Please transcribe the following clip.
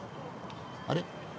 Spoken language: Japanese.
あれ？